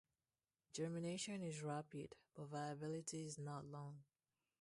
Germination is rapid, but viability is not long.